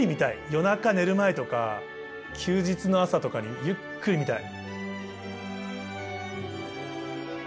夜中寝る前とか休日の朝とかにゆっくり見たい。